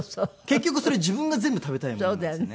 結局それ自分が全部食べたいものなんですね。